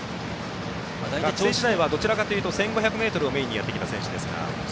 学生時代はどちらかというと１５００ｍをメインにやってきた選手です。